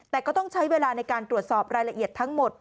แต่ก็ต้องใช้เวลาในการตรวจสอบรายละเอียดทั้งหมด